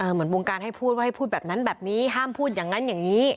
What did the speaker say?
เหมือนวงการให้พูดว่าให้พูดแบบนั้นแบบนี้ห้ามพูดอย่างนั้นอย่างนี้